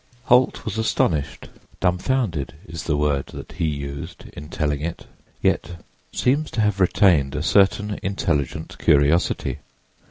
Holt was astonished—"dumfounded" is the word that he used in telling it—yet seems to have retained a certain intelligent curiosity.